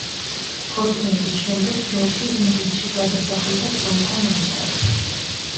ქორწინების შემდეგ ჯორჯი ინგლისში გადასახლდა ცოლთან ერთად.